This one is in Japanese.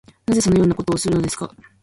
なぜそのようなことをするのですか